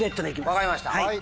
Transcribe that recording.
分かりました。